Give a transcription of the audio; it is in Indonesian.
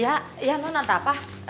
ya ya lo nantapah